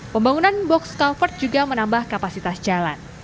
pembangunan box culvert juga menambah kapasitas jalan